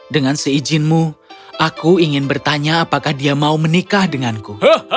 dengan seizinmu aku ingin bertanya apakah dia mau menikah denganku